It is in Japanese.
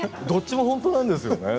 どっちも本当なんです。